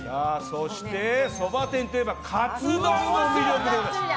そば店といえばカツ丼も魅力でございます。